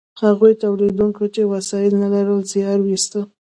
هغو تولیدونکو چې وسایل نه لرل زیار ویسته.